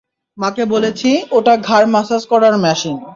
মাকে বলেছি ওটা ঘাড় ম্যাসাজ করার মেশিন।